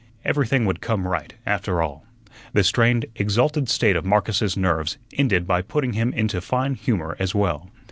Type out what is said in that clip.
Everything would come right, after all. The strained, exalted state of Marcus's nerves ended by putting him into fine humor as well.